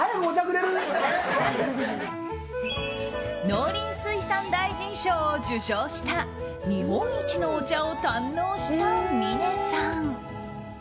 農林水産大臣賞を受賞した日本一のお茶を堪能した峰さん。